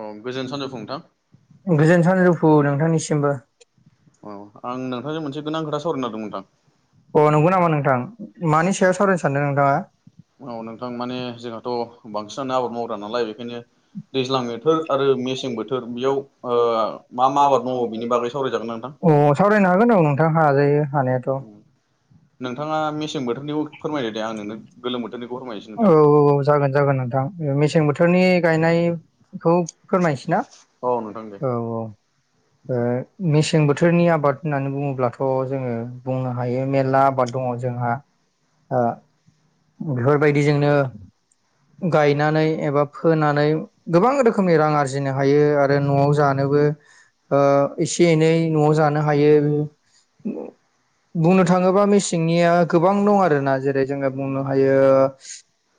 औ गोजोन सानजौफु नोंथां [unintelligible] गोजोन सानजुफु नोंथांनिसिमबो अ आं नोंथांजों मोनसे गोनां खोथा सावरायनो नागिरदोंमोन नोंथां अ नंगौ नामा नोंथां मानि सायाव सावरायनो सानदों नोंथाङा औ नोंथां माने जोंहाथ' बांसिनानो आबाद मावग्रा नालाय बेखायनो दैज्लां बोथोर आरो मेसें बोथोर बेयाव ओ मा मा आबाद दङ बेनि बागै सावरायजागोन नोंथां अ सावरायनो हागोन औ नोंथाङा हाजायो हानायाथ' [unintelligible] नोंथाङा मेसें बोथोरनिखौ फोरमायदो दे आं नोंनो गोलोम बोथोरनिखौ फोरमायनोसै औ नोंथां औ औ जागोन जागोन नोंथां मेसें बोथोरनि गायनायखौ फोरमायसै ना औ नोंथां दे औ औ ओ मेसें बोथोरनि आबाद होननानै बुङोब्लाथ' जोंङो बुंनो हायो मेरला आबाद दङ जोंहा ओ बेफोर बायदिजोंनो गायनानै एबा फोनानै गोबां रोखोमनि रां आरजिनो हायो आरो न'आव जानो आबो ओ एसे एनै न'आव जानो हायो। [inaudible] बुंनो थाङोबा या गोबां दं आरोना जेरै जोङो बुंनो हायो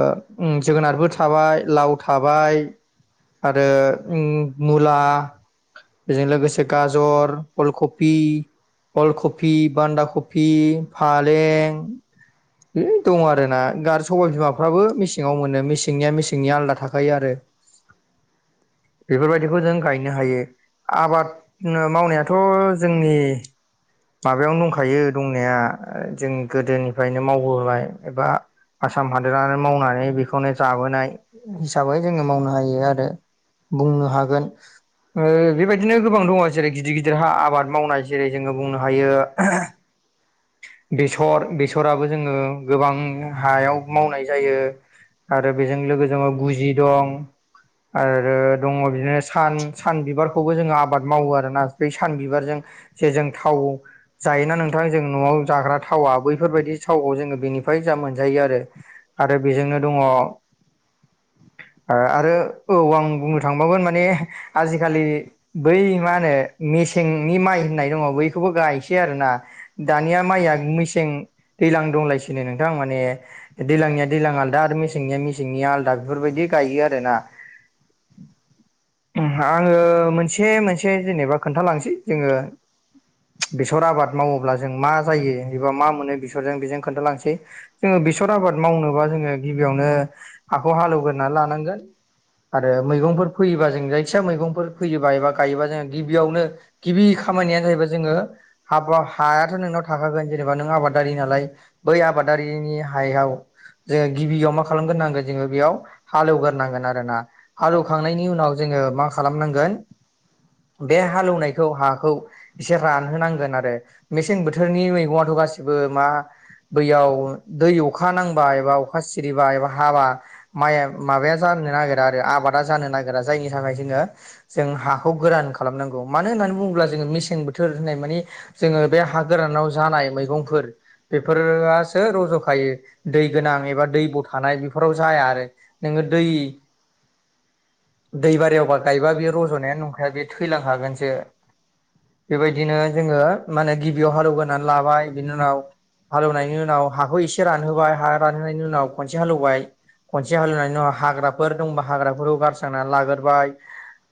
ओ उम जोगोनारबो थाबाय लाव थाबाय आरो मु मुला बेजों लोगोसे गाजर अलखफि अलखफि बान्दा फि फालें है दं आरो ना गार सबाय बिमाफ्राबो मेसेङाव मोनो मेसेंनिया मेसेंनिया आलादा थाखायो आरो [inaudible] बेफोरबायदिखौ जों गायनो हायो आबाद मावनायाथ' जोंनि माबायावनो दंखायो दंनाया जोंनि गोदोनिफ्रायनो मावबोबाय एबा आसाम हादोरानो मावनानै बेखौनो जाबोनाय हिसाबै जोंङो मावनो हायो आरो बुंनो हागोन ओ बेबायदिनो गोबां दङ जेरै गिदिर गिदिर हा आबाद मावनाय जेरै जोंङो बुंनो हायो [unintelligible] बेसर बेसराबो जोंङो गोबां हायाव मावनाय जायो। आरो बेजों लोगोजों गुजि दं आरो ओ दङ बिदिनो सान सान बिबारखौबो जोंङो आबाद मावो आरोना बै सान बिबारजों जे जों थाव जायोना नोंथां जों न'आव जाग्रा थावा बैफोरबायदि थावखौ जोंङो बेनिफ्राय जा मोनजायो आरो आरो बेजोंनो दङ [inaudible] आ आरो औ आं बुं बुंनो थांबाबो मानि आजि खालि बै मा होनो मेसेंनि माइ होननाय दं बै बेखौबो गायनोसै आरोना दानिया माइया मेसें दैलां दंलायसिनो नोंथां माने दैलांनिया दैलां आलदा मेसेंनिया मेसेंनि आलदा बेफोरबायदि गायो आरो ना [inaudible] आंङो मोनसे मोनसे जेनेबा खोन्थालांसै जोंङो बेसर आबाद मावोब्ला जों मा जायो एबा मा मोनो बेसरजों बेजों खोन्थालांनोसै जोंङो बेसर आबाद मावनोबा जोंङो गिबियावनो ओ हाखौ हाल एवगोरना लानांगोन आरो मैगंफोर फोयोब्ला खोथिया मैगंफोर फैयोबा एबा गायोबा जोंङो गिबियावनो गिबि खामानियानो जाहैबाय जोंङो हाबा हायाथ' नोंनाव थाखागोन जेनेबा नों आबादारि नालाय बै आबादारिनि हायाव जोंङो गिबियाव मा खालामगोरनांगोन जोंङो बेयाव हालेवग्रोनांगोन आरो ना हालेवखांनायनि उनाव जों मा खालामनांगोन बे हालेवनायखौ हाखौ एसे रानहोनांगोन आरो मेसें बोथोरनि मैगंङाथ' गासिबो मा दैयाव दै अखा नांबा एबा अखा सिरिबा एबा हाबा माइ माबाया जा नागिरा आरो आबादा जानो नागिरा जायनि जोंङो जों हाखौ गोरान खालामनांगौ मानो होननानै बुङोब्ला जोंङो मेसें बोथोर होननाय मानि जोंङो बे हा गोरानाव जानाय मैगंफोर बेफोरासो रज' खायो दै गोनां एबा दै ब थानाय बेफोराव जाया आरो नों ओ दै [inaudible] दैबारियावबा गायबा बेयो रज'नायानो‌ नंखाया बे थैलां खागोनसो बेबायदिनो जोङो मानो गिबियाव हालौग्रोनानै लाबाय बिनि उनाव हालौनायनि उनाव हाखौ एसे रानहोबाय हा रानहोनायनि उनाव खनसे हालौबाय खनसे हाल एवनायनि उनाव हाग्राफोर दंबा हाग्राफोरखौ गारस्रांनानै लाग्रोबाय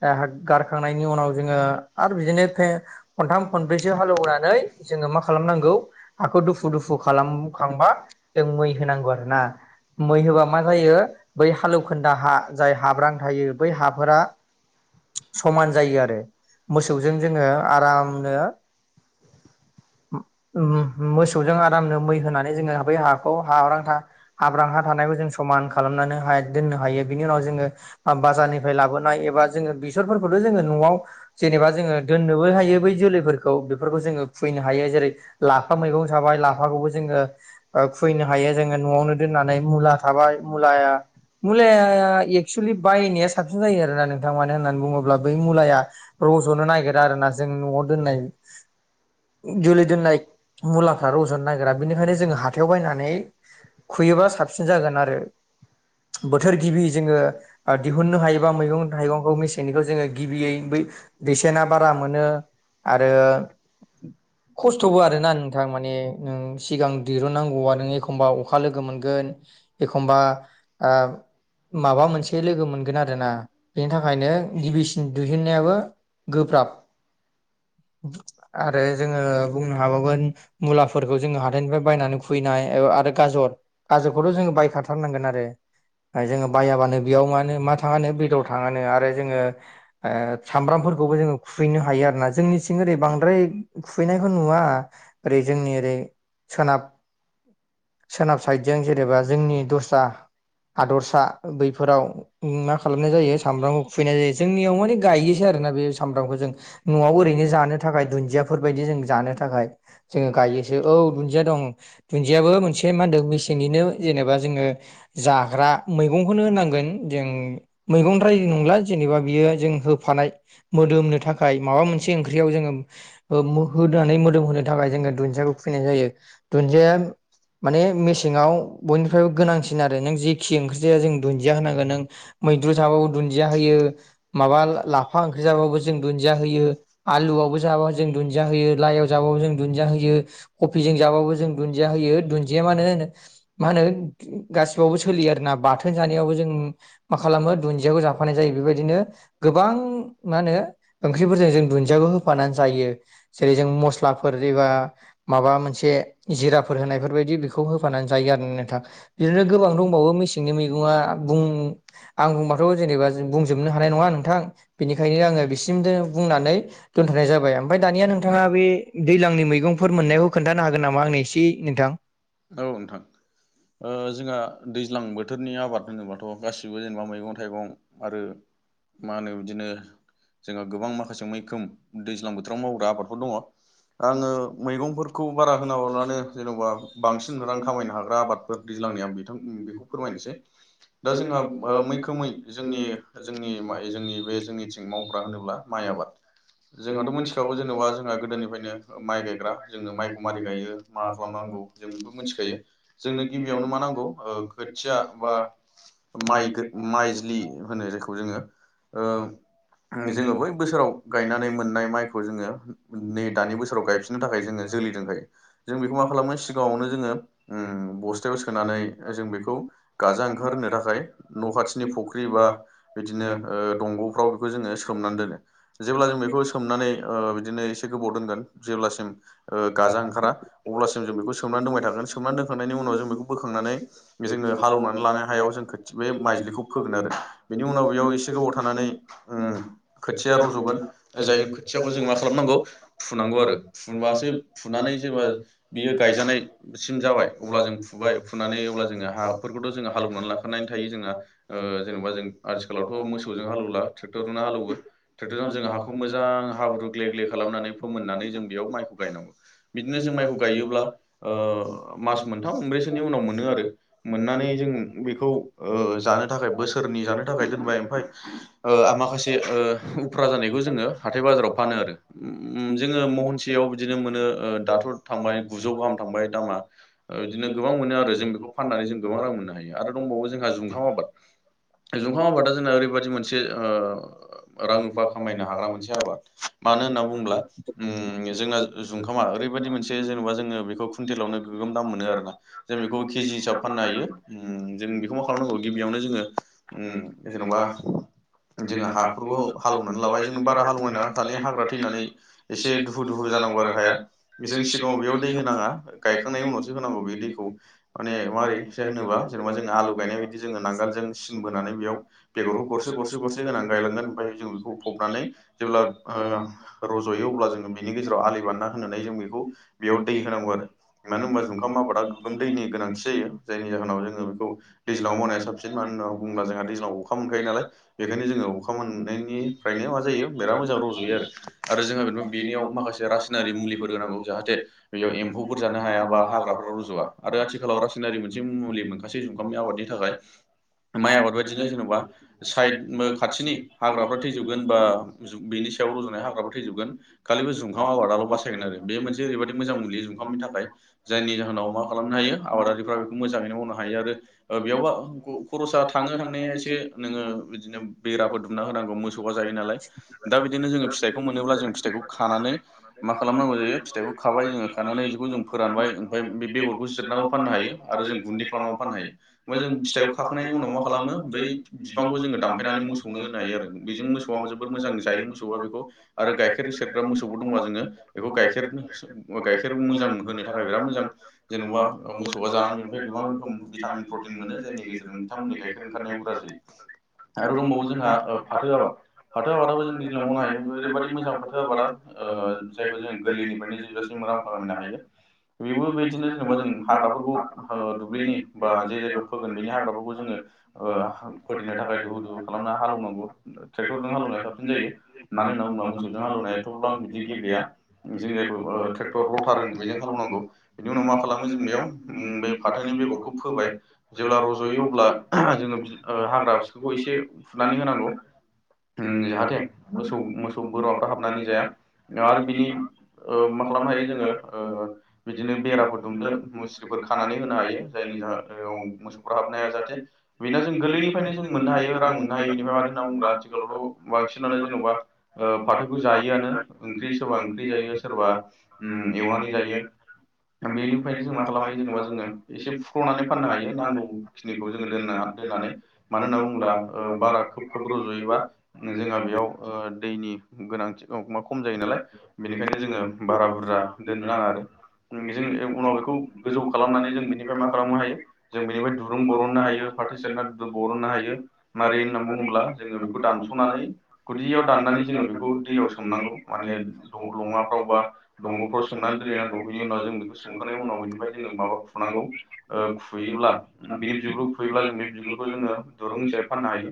[unintelligible] गारखांनायनि उनाव जोङो आरो बिदिनो‌ फे खनथाम खनब्रैसो हालौवनानै जोङो मा खालामनांगौ हाखौ दुफु दुफु खालामखांबा जों मै होनां नांगौ आरो ना मै होबा मा जायो बै हालौखोन्दा हा जाय हाब्रां थायो बै हाफोरा समान जायो आरो मोसौजों जोङो आरामनो [inaudible] उम मोसौजों आरामनो मै होनानै जोङो बै हाखौ हाब्रांथा हाब्रां हा थानायखौ जों समान खालामनानोहाय दोननो हायो बिनि उनाव जोङो [unintelligible] जारनिफ्राय लाबोनाय एबा जोङो बेसरफोरखौथ' जोङो न'आव जेनेबा जोङो दोननोबो हायो बै जोलैफोर खौ बेफोरखौ जोङो फुयैनो हायो जेरै लाफा मैगं थाबाय लाफाखौबो जोङो ओ खुयैनो हायो दे जोङो न'आवनो दोननानै मुला थाबाय मुलाया- मुलाया एक्सुलि बायनाया साबसिन जायो आरो ना नोंथां मानो होननानै बुङोब्ला बै मुलाया रज'नो नायगिरा आरो ना जों न'आव दोननाय जुलि दोननाय मुलाफ्रा रज'नो नागिरा बिनिखायनो जोङो हाथायाव बायनानै खुयो बा साबसिन जागोन आरो बोथोर गिबि जोङो आ दिहुननो हायोबा मैगं थाइगंखौ मेसेंनिखौ जोङो गिबियै बै बेसेना बारा मोनो आरो खस्थ'बो आरोना नोंथां माने नों सिगां दिरुननांगौआ नों एखमबा अखा लोगो मोनगोन एखमबा ओ माबा मोनसे लोगो मोनगोन आरो ना बेनि थाखायनो गिबिसिन दुइहिनन्नायाबो [unintelligible] आरो जोङो बुंनो हाबावगोन मुलाफोरखौ जोङो हाथाइनिफ्राय बायनानै फुयैनाय [unintelligible] आरो गाजर-गाजरखौथ' जोङो बायखाथारनांगोन आरो हाय जोङो बायाबानो बेयाव मानो मा थाङानो बेदर थाङानो आरो जोङो ओ सामब्रामफोर फोरखौबो जोङो खुयैनो हायो आरोना जोंनिथिं ओरै बांद्राय खुयैनायखौ नु नुवा ओरै जोंनि ओरै सोनाब सोनाब साइडजों जेनेबा जोंनि दस्रा हादरसा बैफोराव मा खालामनाय जायो सामब्राम खुयैनाय जायो जोंनियाव माने गायोसो आ आरोना बे सामब्रामखौ जों न'आव ओरैनो जानो थाखाय दुन्दियाफोर बायदि जों जानो थाखाय जों गायोसो औ दुनजिया दं दुनजियाबो मोनसे मा होनदों मेसेननिनो जेनेबा जोङो जाग्रा मैगंखोनो होननांगोन जों मैगंद्राय नंला जेनेब बा बियो जों होफानाय मोदोमनो थाखाय माबा मोनसे ओंख्रियाव जोङो ओ मो होदानै मोदोम होनो थाखाय जोङो दुन्दियाखौ फुयैनाय जायो दुन्दिया माने मेसेङाव बयनिफ्रायबो गोनांसिन आरो नों जेखि ओंख्रि जाया जों दुन्दिया होनांगोन नों मैद्रु जाबाबो दुन्दिया होयो माबा लाफा ओंख्रि जाबाबो जों दुन्दिया होयो आलुआवबो जाबा जों दुन दिया होयो लाइयाव जाबाबो जों दुन्दिया होयो कफिजों जाबाबो जों दुन्दिया होयो दुन्दिया मा होनो मा होनो गासिबावबो सोलियो आरोना बाथोन जानायावबो जों मा खालामो दुन्दियाखौ जाफानाय जायो बेबायदिनो गोबां मा होनो ओंख्रिफोरजों जों दुन्दियाखौ होफानानै जायो। जेरै जों मस्लाफोर जेबा माबा मोनसे जिराफोर होनायफोरबायदि बेखौ होफानानै जायो आ [unintelligible] नोंथां बिदिनो गोबां दंबावो मेसेंनि मैगङा बुं आं बुंबाथ' जेनेबा जो बुंजोबनो हानाय नङा नोंथां बेनिखायनो आङो बिसिमदो बुंनानै दोनथ'नाय जाबाय ओमफाय दानिया नों थाङा बे दैलांनि मैगंफोर मोननायखौ खोन्थानो हागोन नामा आंनो इसे नोंथां? औ नोंथां ओ जोंहा दैज्लां बोथोरनि आबाद होनोबाथ' गासिबो जेनेबा मैगं थाइगं आरो मा होनो बिदिनो जोंहा गोबां माखासे मैखोम दैज्लां बोथोराव मावग्रा आबाद आङो मैगंफोरखौ बारा होनाब्लानो जेन'बा बांसिन रां खामायनो हाग्रा आबादफोर दैज्लांनि आ बेखौ फोरमायनोसै दा जोंहा मैखोमै जोंनि जोंनि ज बे जोंनिथिं मावग्रा होनोब्ला माइ आबाद जोंहथ' मिथिखागौ जेनेब जों माइ गायग्रा जोङो माइखौ मारै गायो मा बेखौ खालामनांगौ जों बेखौ मिथिखायो। जोंनो गिबियावनो मा नांगौ ओ खोथिया बा [unintelligible] माइ माइ जिनि होनो रोखौ जोङो ओ जोङो बे बोसोराव गायनानै मोननाय माइखौ जोङो नै बे दानि गायफिननो बोसोराव थाखाय गायफननो जोङो जोलै थाखाय दोनखायो जोंनो जों जोलि बेखौ मा दोंबाय खालामो जों सिगाङावनो बेखौ जोङो मा खालामो उम सिगाङावनो बस्थायाव जोङो सोनानै गसे जों बेखौ सोनानै जों बेखौ ओंखारहोनो गाजा थाखाय ओंहखार न' होनो खाथिनि थाखाय फुख्रि बा न' खाथिनि बिदिनो फुख्रि ओ बा बिदिनो दंग'फ्राव बेखौ गावखौ जोङो सोमनानै दोनो दोन जेब्ला बेखौ जों सोमनानै बेखौ ओ सोमनानै बिदिनो दिनै एसे गोबाव दोनगोन जेब्लासिम गाजा ओंखारा अब्लासिम जों बेखौ सोमनानै दोनबाय थागोन सोमनानै दोनखांनायनि उनाव जों बेखौ फोखांनानै जोङो हालेवनानै लानाय हायाव जों बे माइज्लिखौ फोगोन आरो बेनि उनाव बेयाव ज गोबाव थानानै ओ खोथिया रज'गोन जाय खोथियाखौ जों मा खालामनांगौ फुनांगौ आरो फुनबासो फुनानै जेब्ला बियो गायजानायसिम जाबाय अब्ला जों फु‌ फाय फुनानै अब्ला जोङो हाफोरखौथ' जोङो हालौवनानै लाखानानै थायो जोंङा जेनेबा जों आथिखालावथ' मोसौजोंनो हालौला ट्रक्टरजों हालवो ट्रेक्टर जों हाखौ मोजां हाब्रु ग्लेब ग्लेब खालामनानै मोन्नानै जों बेयाव माइखौ गायनांगौ सोरनि उनाव मोनो आरो मोननानै जों बेखौ ओ जानो थाखाय बोसोरनि जानो थाखाय दोनबाय ओमफाय ओ माखासे ओ उफ्रा जानायखौ जोङो हाथाय बाजाराव फाननो आरो ज महसेयाव बिदिनो मोनो ओ दाथ' थांबाय गुजौ गाहाम थांबाय दामा बिदिनो गोबां मोनो आरो जों बेखौ फाननानै जों गोबां रां मोननो हायो आरो दंबावो जोंहा जुं [unintelligible] खाम आबाद जुखाम आबादा जोंना ओरैबादि मोनसे ओ रां रुफा खामायनो हाग्रा मोनसे आबाद मानो होनना बुङोब्ला जोंना जुखामा ओरैबायाददि मोनसे जेनेबा जोङो बेखौ कुइन्टेलावनो गोगोम दाम मोनो आरो ना। जों बेखौ केजि हिसाब फाननो हायो होम जों बेखौ मा खालामनांगौ गिबियावनो जोङो होम जेन'बा जोङो हाफोरखौ हालेवनानै लाबाय जों बारा हालौवनानै थानाय हाग्रा थैनानै एसे दुहु दुहु जानांगौ आरो हाया बिसोर सिगाङाव बेयाव दै होनाङा गायखांनायनि उनावसो होनांगौ बे दैखौ माने माबै होनोबा जेनेबा जो आलु गायनाय बायदि जो नांगोलजों सिन बोनानै बेयाव रं गरसे गरसे गरसे गायलांगोन फाय जों बेखौ फबनानै जेब्ला ओ रजयो अब्ला बिनि गेजेराव आलि बानायना दोननानै जों बेखौ दै होनांगौ आरो मानो होना बुङोब्ला जुंखाम आबादा दैनि गोनां जायो जाय जाहोनाव जो बेखौ दैज्लाव मावनाया साबसिन मानो होनना बुोब्ला जोंहा दैज्लाव अखा मोनखायो बेखायनो जोङो अखा मोननायनिफ्रायनो मा जायो बेराद मोजां रज'यो आरो आरो जोंहा बे बेनियाव माखासे रासायनारि मुलिफोर होनांगौ जाहाथे बेयाव एम्फौफोर जानो हाया बा हाग्राफोरा रुजुा आरो आथिखालाव रासायनारि मोनसे मुलि मोनखाससे जुखामनि आबादनि थाखाय माइ आबाद बायदिनो जेन'बा साइद खाथिनि हाग्राफ्रा थैजोबगोन बा बेनि बेयाव रजनाय हाग्राबो थैजोबगोन। खाालिबो जुखाम आबादाल' बासायगोन आरो बेयो मोनसे ओरैबायदि मोजां मोनलियो जुखामनि थाखाय जायनि जाहोनाव मा खालामनो हायो। आबादारिफ्रा बेखौ मोजाङैनो मावनो हायो आरो ओ बेयावबा खरसा थाङो थांनाया एसे नोङो बिदिनो बेराफोर दुमना होनांगौ मोसौआ जायो नालाय दा बिदिनो जोङो फिथाइखौ मोनोब्ला जों फिथाइखौ खानानै मा खालामनांगौ जायो फिथाइखौ खाबाय जोङो खानानै बेखौ जों फोरानबाय ओमफाय बे बेगरखौ जिरनानै खाम फाननो हायो आरो जों गुन्दै खामनानैबो फान्नो हायो। ओमफाय जों फिथाइखौ खाखांनायनि उनाव मा खालामो बै फिफांखौ खौ जोङो दामफायनानै मोसौनो होनो हायो आरो बिजों मोसौआ जोबोर मोजां जायो मोसौआ बेखौ आरो गाइखेर सेरग्रा मोसौबो दङबा जोङो बेखौ गाइखेर सो गाइखेर मोजां होनो थाखाय बिराद मोजां जेन'बा अ ओ मोसौया जानानै बेनिफ्राय गोबां रोखोम भिटामिन प्रटिन मोनो जायनि गेजेरजों बिथांमोननि गाइखेर ओंखारनाया बुरजा जायो। आरो दंबावो जोंहा ओ फाथो आबाद फाथो आबादाबो जों दैज्लाव मावनो हायो ओरैबायदि मोजां फा ओ बादा ओ जायखौ जों गोरलैनिफ्रायनो जोबजासिम रां खालामामायनो हायो बेबो बिदिनो जेनबा ओजों हाग्राफोरखौ ओ दुब्लिनि बा जे जायायाव फोगोन बेनि हाग्राफोरखौ जोङो ओ थाखाय दुहु दुहु खालामना हालौनोबो ट्रेक्टरजों हालौनायफ्रा जायो मानो होनना बुंबा मोसौजों हालेवनायाथब्लां बिदि गेब्लेया जों जायखौ ट्रेक्टर रटार होनो बेजों हालौनांगौ बि उनाव मा खालामो जों बेयाव उम बे फाथोनि बेगरखौ फोबाय जेब्ला रज'यो अब्ला जोङो। हाग्रा [unintelligible] एसे फुनानै होनांगौ उम जाहाथे मोसौ-मोसौ हाबनानै जाया आरो बिनि ओ मा खालामनो हायो जोङो ओ बिदिनो बेराफोर [unintelligible] मुस्रिफोर खानानै होनो हायो जायनि जाहो याव मोसौफोरा हाबनो हाया जाहाथे बेना जों गोरलैनि- निफ्रायनो जों मोननो हायो रां मोननो हायो [unintelligible] होनना बुंब्ला आथिखालावथ' बांसिनानो जेन'बा ओ फाथो खौ जायोआनो ओंख्रि सोरबा ओंख्रि जायो सोरबा उम एवनानै जायो। बेनिफ्राय जों मा खालामायो जेनेबा जोङो एसे फुख्र'नानै फाननो हायो नांगौखिनिखौ जोङो दोननो हा- दोननानै मानो होनना बुङोब्ला ओ बारा खोब खोब रज'योबा जोंहा बेयाव ओ दैनि गोनांथि औ मा खम जायो नालाय बेनिखायनो जोङो बारा बुरजा दोननो नाङा आरो। उम बिजों ओ उनाव बेखौ गोजौ खालामनानै जों बेनिफ्राय मा खालामनो हायो जों बेनिफ्राय दुरुं बरननो हायो। फाथो सेरना बरननो हायो मारै होननानै बुङोब्ला जोङो बेखौ दानस'नानै गुदियाव- दाननानै जोङो बेखौ दैयाव सोमनांगौ मान लङाफ्राव बा दंग'फ्राव सोमनानै दोनहैनांगौ बिनि उनाव जों बेखौ संखानाय उनाव बेनिफाय जोङो माबा खुंनांगौ ओ खुयोब्ला बिनि बिुरखौ खुयोब्ला जों बे बिगुरखौ जोङो दुरुं हिसाबै फान नो हायो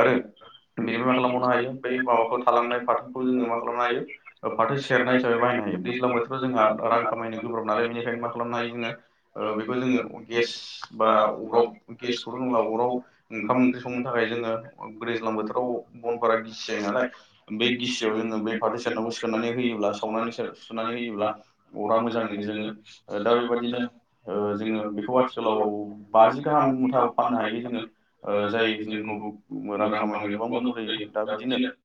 आरो बिनि मा खालामबावनो हायो बै माबाखौ थालांनाय फाथोखौ जोङो मा खालाम खालामनो हायो ओ फाथो सेरनाय हिसाबै बाहायनो हायो दैज्लां बोथोराव जोंहा रां खामायनो गोब्राब नालाय बेनिखायनो मा खालामनो हायो जोङो ओ बेखौ जोङो गेस बा अराव गेसखौथ' नंला अराव ओंखाम ओंख्रि संनो थाखाय जोङो दैज्लां बोथोराव बनफोरा गिसि जायो नालाय बे गिसियाव जोङो बे [unintelligible] सेरनांखौ सोनानै होयोब्ला सावनानैसो सुनानै होयोब्ला अरा मोजाङैनो जोङो। ओ दा बेबादि- यैनो ओ जोङो बेखौ आथिखालाव बाजि गाहाम मुथाव फाननो हायो जोङो ओ जाय- [unintelligible] रां खामानियाव गोबां मदद होयो। दा बिदिनो [unintelligible]